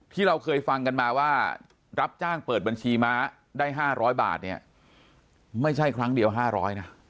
ที่เราเคยฟังกันมาว่ารับจ้างเปิดบัญชีม้าได้๕๐๐บาทเนี่ยไม่ใช่ครั้งเดียว๕๐๐นะ